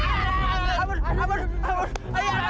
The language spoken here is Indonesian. aduh kena pedas laap dah